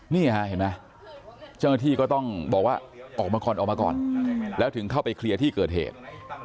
นี่เห็นมั้ยเจ้าหน้าที่ก็ต้องบอกว่าออกมาก่อนแล้วถึงเข้าไปเคลียร์ที่เกิดเหตุ